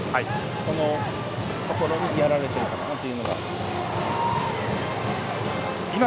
そのところにやられているのかなというのが。